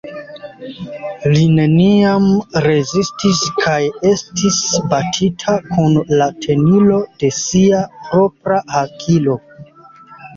Li neniam rezistis kaj estis batita kun la tenilo de sia propra hakilo.